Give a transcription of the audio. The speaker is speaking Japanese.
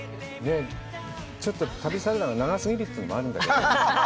ちょっと旅サラダが長すぎるというのもあるんだけど。